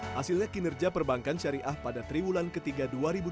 hasilnya kinerja perbankan syariah pada triwulan ketiga dua ribu dua puluh